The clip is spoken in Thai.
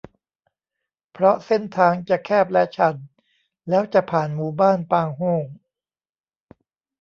เพราะเส้นทางจะแคบและชัน แล้วจะผ่านหมู่บ้านปางโฮ่ง